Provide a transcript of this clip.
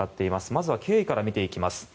まずは経緯から見ていきます。